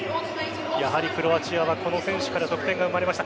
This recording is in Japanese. やはりクロアチアはこの選手から得点が生まれました。